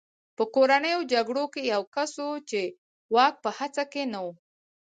په کورنیو جګړو کې یو کس و چې واک په هڅه کې نه و